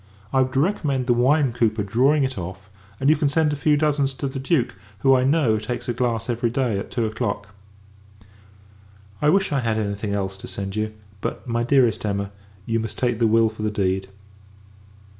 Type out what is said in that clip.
I would recommend the wine cooper drawing it off: and you can send a few dozens to the Duke; who, I know, takes a glass every day at two o'clock. I wish, I had any thing else to send you; but, my dearest Emma, you must take the will for the deed.